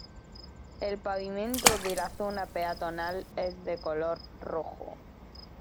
El pavimento de la zona peatonal es de color rojo.